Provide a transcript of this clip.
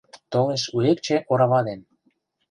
Толеш Ӱэкче орава ден.